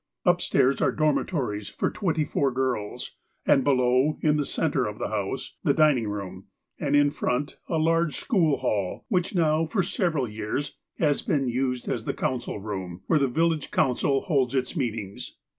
Up stairs are dormitories for twenty four girls, and below, in the centre of the house, the dining room, and in front a large school hall, which now, for several years, has been used as the council room, where the village council holds its meetings.